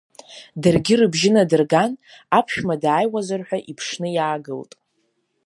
Даргьы рыбжьы надырган, аԥшәма дааиуазар ҳәа, иԥшны иаагылт.